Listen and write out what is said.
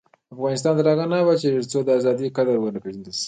افغانستان تر هغو نه ابادیږي، ترڅو د ازادۍ قدر ونه پیژندل شي.